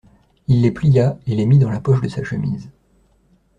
Il les plia et les mit dans la poche de sa chemise.